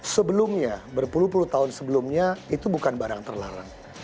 sebelumnya berpuluh puluh tahun sebelumnya itu bukan barang terlarang